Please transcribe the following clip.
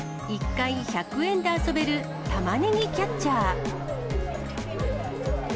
１回１００円で遊べるたまねぎキャッチャー。